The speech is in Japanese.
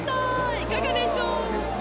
いかがでしょう？